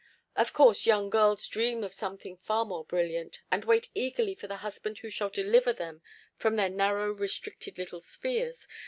"Of course, young girls dream of something far more brilliant, and wait eagerly for the husband who shall deliver them from their narrow restricted little spheres...